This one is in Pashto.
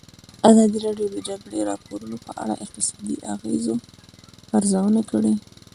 ازادي راډیو د د جګړې راپورونه په اړه د اقتصادي اغېزو ارزونه کړې.